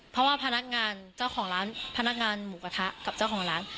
เพราะว่าพนักงานเจ้าของร้านพนักงานหมูกระทะกับเจ้าของร้าน